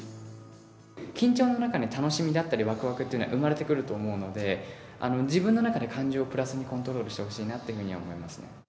緊張の中に楽しみだったり、わくわくっていうのは、生まれてくると思うので、自分の中で感情をプラスにコントロールしてほしいなとは思いますね。